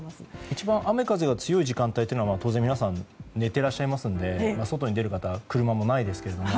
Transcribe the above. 一番雨風が強い時間帯というのは当然、皆さん寝ていらっしゃいますので外に出る方や車もないですけども。